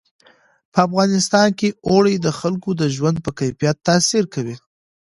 په افغانستان کې اوړي د خلکو د ژوند په کیفیت تاثیر کوي.